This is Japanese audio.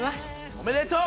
おめでとう！